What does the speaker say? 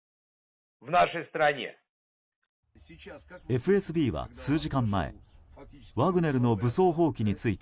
ＦＳＢは数時間前ワグネルの武装蜂起について